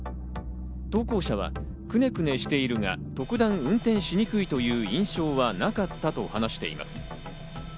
投稿者はくねくねしているが、特段運転しにくいという印象はなかったと話しています。